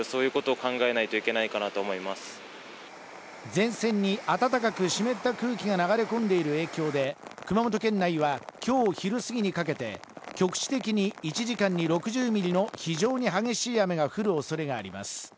前線に暖かく湿った空気が流れ込んでいる影響で、熊本県内は今日昼過ぎにかけて局地的に１時間に６０ミリの非常に激しい雨が降る恐れがあります。